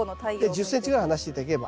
１０ｃｍぐらい離して頂ければ。